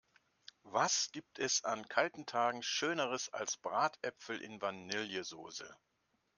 Was gibt es an kalten Tagen schöneres als Bratäpfel in Vanillesoße!